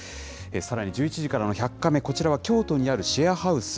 さらに１１時からの１００カメ、こちらは京都にあるシェアハウス。